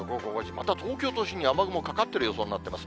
また東京都心に雨雲かかってる予想になってます。